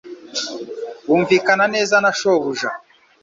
Wumvikana neza na shobuja?